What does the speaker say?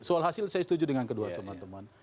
soal hasil saya setuju dengan kedua teman teman